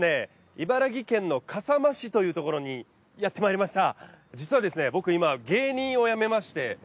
茨城県の笠間市というところにやってまいりました。